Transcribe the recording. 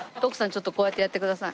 ちょっとこうやってやってください。